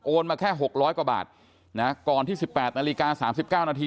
มาแค่๖๐๐กว่าบาทนะก่อนที่๑๘นาฬิกา๓๙นาที